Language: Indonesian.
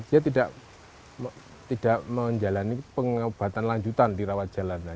dia tidak menjalani pengobatan lanjutan di rawat jalan